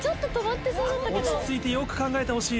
落ち着いてよく考えてほしい。